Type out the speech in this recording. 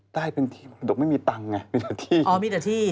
ได้เป็นทีมแต่แบบบอกไม่มีตังค์ไงมีแต่ที่